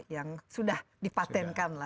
yang sudah dipatenkan